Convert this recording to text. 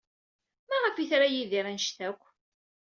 Maɣef ay tra Yidir anect-a akk?